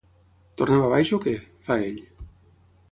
Tornem a baix o què? —fa ell.